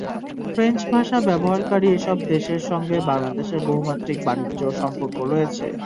French ভাষা ব্যবহারকারী এসব দেশের সঙ্গে বাংলাদেশের বহুমাত্রিক বাণিজ্য সম্পর্ক রয়েছে।